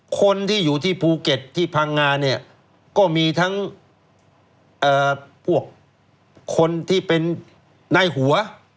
คนที่อยู่ที่ภูเก็ตที่พังงาเนี่ยก็มีทั้งพวกคนที่เป็นนายหัว